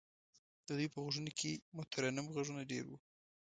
د دوی په غوږونو کې مترنم غږونه دېره وو.